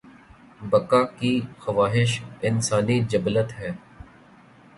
بقا کی خواہش انسانی جبلت ہے۔